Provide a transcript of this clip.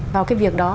vào cái việc đó